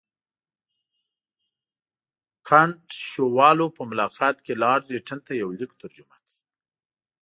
کنټ شووالوف په ملاقات کې لارډ لیټن ته یو لیک ترجمه کړ.